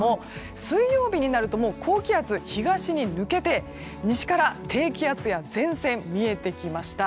水曜日になると高気圧は東に抜けて西から低気圧や前線見えてきました。